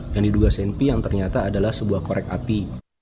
ini dua senpi yang ternyata adalah sebuah korek api